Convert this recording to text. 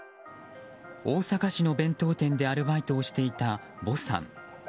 大阪市の弁当店でアルバイトをしていたヴォさん。